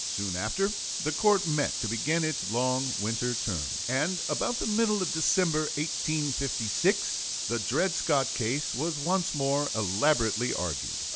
Soon after, the court met to begin its long winter term; and about the middle of December, 1856, the Dred Scott case was once more elaborately argued.